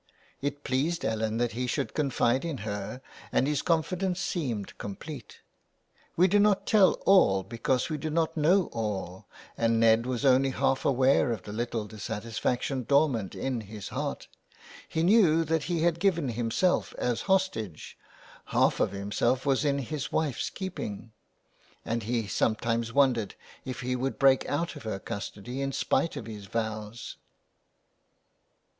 It pleased Ellen that he should confide in her and his confidence seemed complete. We do not tell all because we do not know all and Ned was only half aware of the little dissatisfaction dormant in his heart. He knew that he had given himself as hostage — half of himself was in his wife's keeping — and he some times wondered if he would break out of her custody in spite of his vows.